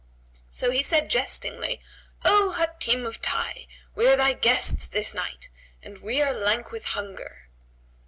So he said jestingly, "O Hatim of Tayy! we are thy guests this night, and we are lank with hunger."